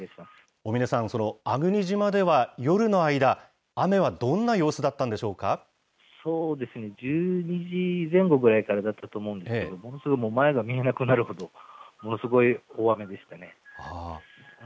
大嶺さん、粟国島では夜の間、雨はどんな様子だったんでしょうそうですね、１２時前後ぐらいからだったと思うんですけど、ものすごく前が見えなくなるほど、ものすごい大雨でしたね。